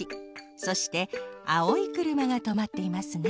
そしてあおいくるまがとまっていますね。